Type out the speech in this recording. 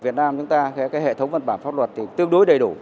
việt nam chúng ta hệ thống bàn bản pháp luật thì tương đối đầy đủ